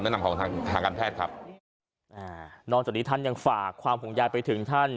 นอนจากนี้ท่านยังฝากความห่วงยายไปถึงท่าน